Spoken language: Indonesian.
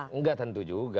enggak tentu juga